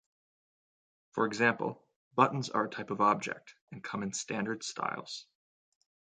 For example, buttons are a type of object, and come in standard styles.